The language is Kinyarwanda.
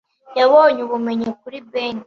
Yabonye ubumenyi kuri Ben.